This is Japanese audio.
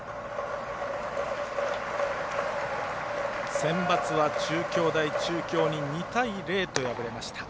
センバツは中京大中京に２対０と敗れました。